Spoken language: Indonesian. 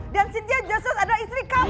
dan cynthia justus adalah istri kamu